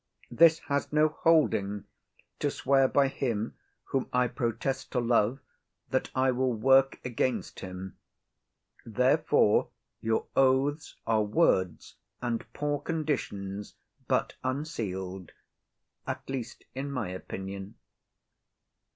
This has no holding, To swear by him whom I protest to love That I will work against him. Therefore your oaths Are words and poor conditions; but unseal'd,— At least in my opinion.